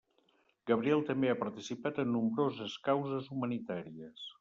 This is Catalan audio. Gabriel també ha participat en nombroses causes humanitàries.